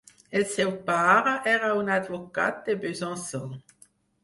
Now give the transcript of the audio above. El seu pare era un advocat de Besançon.